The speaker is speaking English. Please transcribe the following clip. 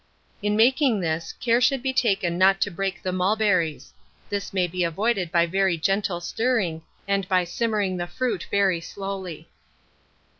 In making this, care should be taken not to break the mulberries: this may be avoided by very gentle stirring, and by simmering the fruit very slowly.